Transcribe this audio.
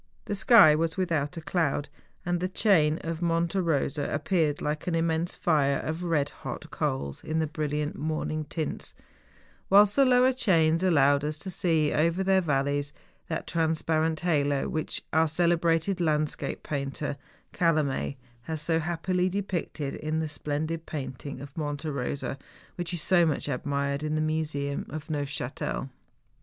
The sky was without a cloud, and the chain of Monte Eosa appeared like an immense fire of red hot coals in the brilliant morning tints, whilst the lower chains allowed us to see over their valleys that transparent halo which our celebrated landscape painter, Calame, has so happily depicted in the splendid painting of Monte Eosa, which is so much admired in the museum of Neufchatel.